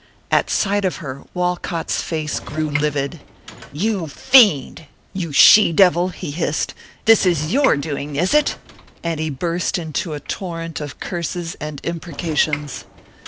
At sight of her, Walcott's face grew livid. "You fiend! You she devil!" he hissed; "this is your doing, is it?" and he burst into a torrent of curses and imprecations.